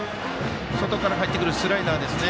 外から入ってくるスライダーですね。